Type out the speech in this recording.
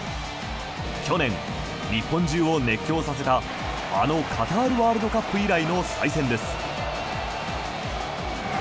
去年、日本中を熱狂させたあのカタールワールドカップ以来の再戦です。